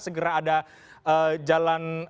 segera ada jalan